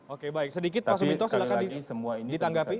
oke baik sedikit pak sumito silakan ditanggapi